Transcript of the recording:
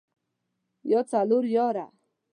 يا څلور ياره.